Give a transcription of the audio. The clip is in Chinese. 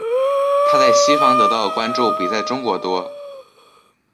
她在西方得到的关注比在中国多。